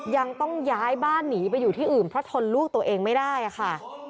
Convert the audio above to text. ยังต้องย้ายบ้านหนีไปอยู่ที่อื่นเพราะทนลูกตัวเองไม่ได้ค่ะ